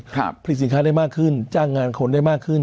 ผลิตสินค้าได้มากขึ้นจ้างงานคนได้มากขึ้น